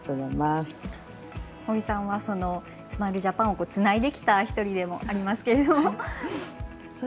堀さんはスマイルジャパンをつないできた１人でもありますけれども。